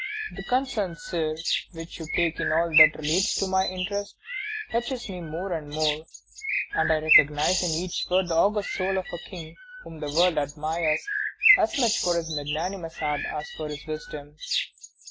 The concern, Sire, which you take in all that relates to my interest touches me more and more, and I recognize in each word the august soul of a king whom the world admires as much for his magnanimous heart as for his wisdom."